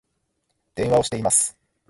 電話をしています